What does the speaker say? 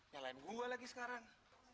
nyalain gue lagi sekarang